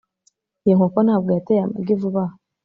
Iyo nkoko ntabwo yateye amagi vuba aha